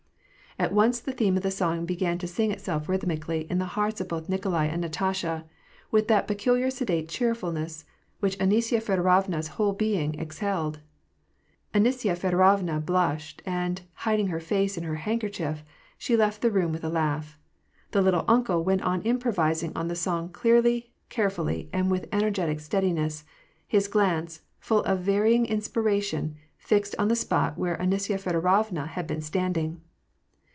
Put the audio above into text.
At once the theme of the song began to sing itself rhythmi cally in the hearts of both Nikolai and Natasha, with that peculiar sedate cheerfulness which Anisya Feodorovna^s whole being exhaled. Anisya Feodorovna blushed, and, hiding her face in her handkerchief, she left the room with a laugh. The " little uncle " went on improvising on the song clearly, care fully, and with energetic steadiness, his glance, full of vary ing inspiration, fixed on the spot where Anisya Feodorovna had been standing.